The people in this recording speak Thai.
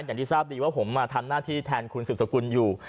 อย่างที่ทราบดีว่าผมมาทำหน้าที่แทนคุณสืบสกุลอยู่